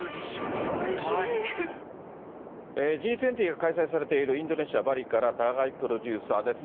Ｇ２０が開催されているインドネシア・バリから高井プロデューサーです。